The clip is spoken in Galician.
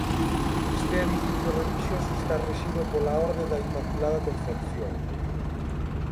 Este edificio relixioso está rexido pola Orde da Inmaculada Concepción.